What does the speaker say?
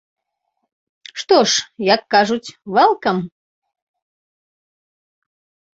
Што ж, як кажуць, вэлкам!